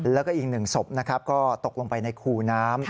แล้วก็อีกหนึ่งศพก็ตกลงไปในครูน้ำ